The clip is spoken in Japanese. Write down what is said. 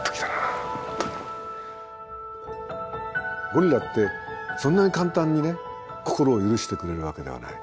ゴリラってそんなに簡単にね心を許してくれるわけではない。